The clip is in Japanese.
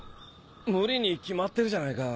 無理に決まってるじゃないか。